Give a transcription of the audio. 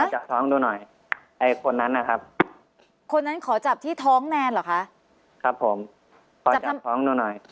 จับท้องดูหน่อยไอ้คนนั้นนะครับคนนั้นขอจับที่ท้องแนนเหรอคะครับผมขอจับท้องดูหน่อย